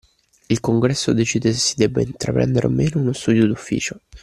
Il Congresso decide se si debba intraprendere o meno uno studio d'Ufficio.